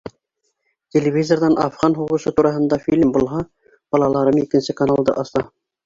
Телевизорҙан Афған һуғышы тураһында фильм булһа, балаларым икенсе каналды аса.